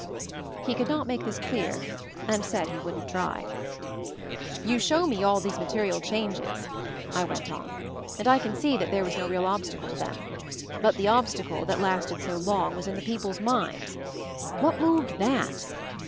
He could not make this clear, and said he wouldn't try. "You show me all these material changes," I went on; "and I can see that there was no real obstacle to them ; but the obstacle tEat \ lasted so long was in the people's mind&»J What moved that?